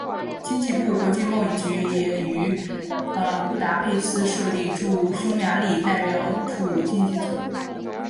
经济部国际贸易局也于布达佩斯设立驻匈牙利代表处经济组。